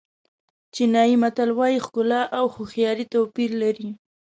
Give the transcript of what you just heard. چینایي متل وایي ښکلا او هوښیاري توپیر لري.